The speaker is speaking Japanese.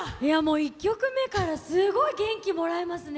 １曲目から、すごい元気もらいますね。